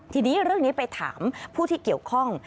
ทีนี้เรื่องนี้ไปถามผู้ที่เกี่ยวข้อง